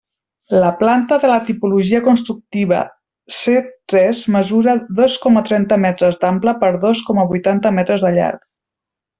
La planta de la tipologia constructiva C tres mesura dos coma trenta metres d'ample per dos coma vuitanta metres de llarg.